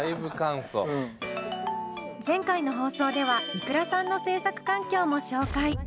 前回の放送ではｉｋｕｒａさんの制作環境も紹介。